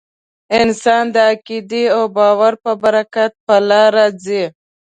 انسان د عقیدې او باور په برکت په لاره ځي.